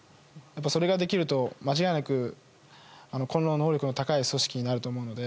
それができると間違いなく個の能力の高い組織になると思うので。